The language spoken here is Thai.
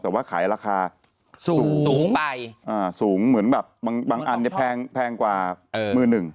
แต่ว่าขายราคาสูงไปสูงเหมือนแบบบางอันเนี่ยแพงกว่ามือหนึ่ง